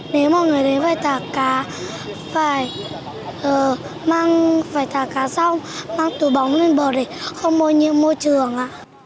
nếu mọi người đến với thả cá phải thả cá xong mang túi bóng lên bờ để không môi trường